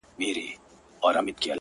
• په تقوا به وي مشهور په ولایت کي ,